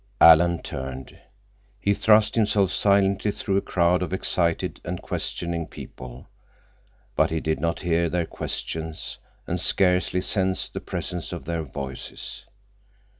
Alan turned. He thrust himself silently through a crowd of excited and questioning people, but he did not hear their questions and scarcely sensed the presence of their voices.